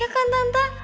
ya kan tante